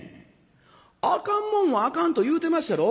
あかんもんはあかんと言うてまっしゃろ。